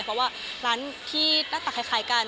เพราะว่าร้านที่หน้าตาคล้ายกัน